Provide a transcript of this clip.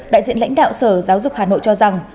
đại diện lãnh đạo sở giáo dục hà nội cho rằng